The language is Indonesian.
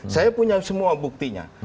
saya punya semua buktinya